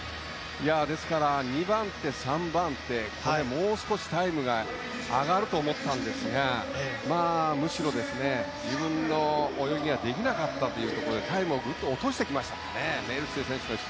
２番手、３番手、もう少しタイムが上がると思ったんですがむしろ、自分の泳ぎができなかったというところでタイムを落としてきましたね。